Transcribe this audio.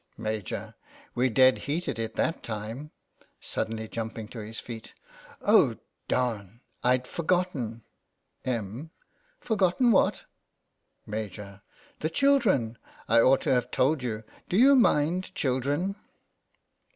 Maj\ : We dead heated it that time. (Sud denly jumping to his feet) Oh, d I'd forgotten ! Em. : Forgotten what ? Maj\ : The children. I ought to have told you. Do you mind children